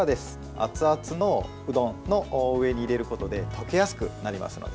熱々のうどんの上に入れることで溶けやすくなりますので。